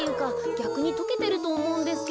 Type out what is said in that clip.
ぎゃくにとけてるとおもうんですけど。